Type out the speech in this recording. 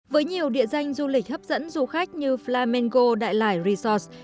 với nhiều địa danh du lịch hấp dẫn du khách như flamengo đại lải resorts